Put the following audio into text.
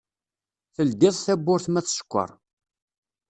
Teldiḍ tawwurt ma tsekker.